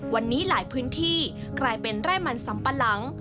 วันนี้หลายพื้นที่กลายเป็นไร่มันสัมปะหลัง